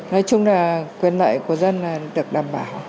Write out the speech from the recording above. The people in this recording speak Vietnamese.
nói chung là quyền lợi của dân là